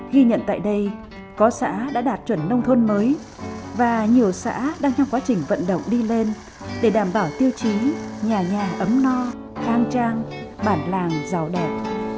ghi nhận tại đây có xã đã đạt chuẩn nông thôn mới và nhiều xã đang trong quá trình vận động đi lên để đảm bảo tiêu chí nhà nhà ấm no khang trang bản làng giàu đẹp